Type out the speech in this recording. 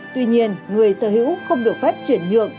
tuy nhiên người sở hữu không được phép chuyển nhượng